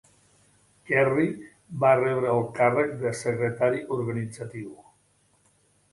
Kerry va rebre el càrrec de "Secretari organitzatiu".